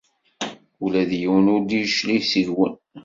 Ula d yiwen ur d-yeclig seg-wen.